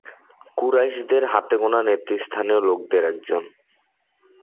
কুরাইশদের হাতেগোনা নেতৃস্থানীয় লোকদের একজন।